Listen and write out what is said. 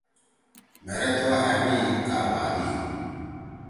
مھیرے تھو ہأ می کاربھادی۔